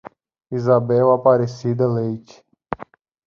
Isabel Aparecida Leite